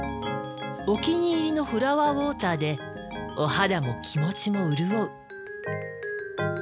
お気に入りのフラワーウォーターでお肌も気持ちも潤う。